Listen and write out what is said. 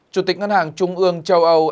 chủ tịch ngân hàng trung ương châu âu